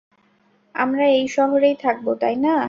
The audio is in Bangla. আমরা এই শহরেই থাকবো, তাই না?